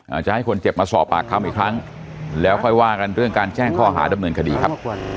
อาจจะให้คนเจ็บมาสอบปากคำอีกครั้งแล้วค่อยว่ากันเรื่องการแจ้งข้อหาดำเนินคดีครับ